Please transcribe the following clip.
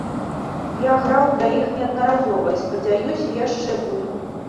Я граў для іх неаднаразова, і, спадзяюся, яшчэ буду.